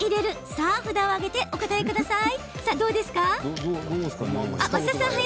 さあ、札を上げてお答えください。